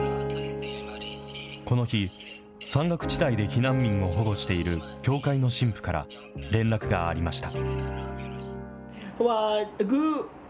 この日、山岳地帯で避難民を保護している教会の神父から、連絡がありました。